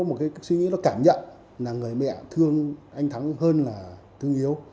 hiếu nó có một cái suy nghĩ nó cảm nhận là người mẹ thương anh thắng hơn là thương hiếu